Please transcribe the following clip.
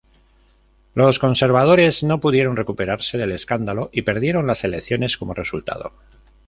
Los conservadores no pudieron recuperarse del escándalo y perdieron las elecciones como resultado.